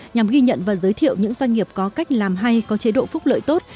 nhằm ghi nhận và giới thiệu những doanh nghiệp có cách làm hay có chế độ phúc lợi tốt